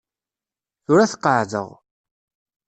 Tura ad t-qeɛɛdeɣ.